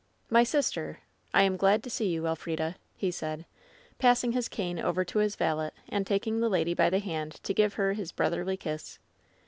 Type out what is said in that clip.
"My sister — ^I am glad to see you, Elfrida,'' he said, passing his cane over to his valet and taking the lady by the hand to give her his brotherly kiss.